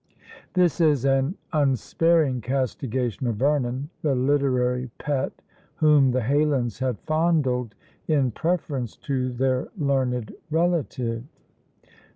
This is an unsparing castigation of Vernon, the literary pet whom the Heylins had fondled in preference to their learned relative.